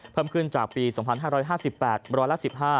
เพิ่มขึ้นจากปี๒๕๕๘ร้อยละ๑๕